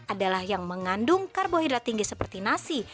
adalah yang mengandung karbohidrat tinggi seperti nasi